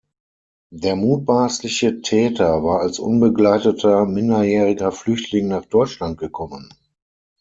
Der mutmaßliche Täter war als unbegleiteter minderjähriger Flüchtling nach Deutschland gekommen.